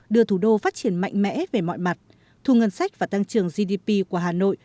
đưa thủ đô phát triển mạnh mẽ về mọi mặt thu ngân sách và tăng trưởng gdp của hà nội